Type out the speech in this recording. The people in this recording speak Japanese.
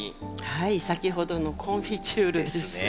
はい先ほどのコンフィチュールです。ですね。